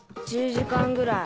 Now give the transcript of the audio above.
１０時間ぐらい。